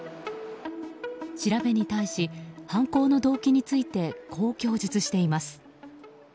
調べに対し、犯行の動機についてこう供述しています。